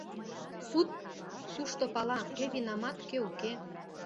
— Суд тушто пала — кӧ винамат, кӧ уке.